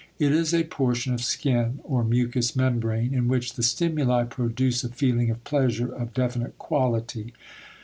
It is a portion of skin or mucous membrane in which the stimuli produce a feeling of pleasure of definite quality.